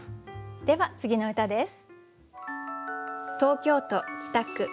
では次の歌です。